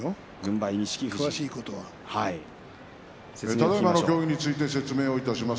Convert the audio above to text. ただいまの協議について説明します。